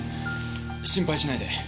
心配しないで。